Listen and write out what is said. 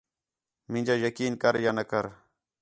مینجا یقین کر یا نہ کر